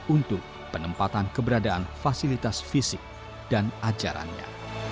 untuk penempatan keberadaan fasilitas fisik dan ajarannya